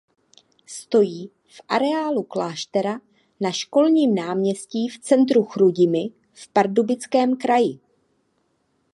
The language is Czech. Stojí v areálu kláštera na Školním náměstí v centru Chrudimi v Pardubickém kraji.